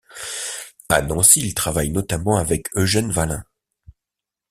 À Nancy, il travaille notamment avec Eugène Vallin.